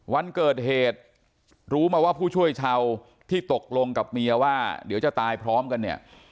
วันเกิดเหตุรู้มาว่าผู้ช่วยชาวที่ตกลงกับเมียว่าเดี๋ยวจะตายพร้อมกันเนี่ย